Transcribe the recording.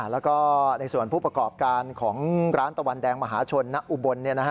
แล้วก็ในส่วนผู้ประกอบการของร้านตะวันแดงมหาชนณอุบล